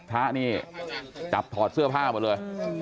พระนี่จับถอดเสื้อผ้าหมดเลย